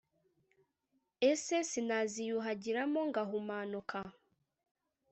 ese sinaziyuhagiramo ngahumanuka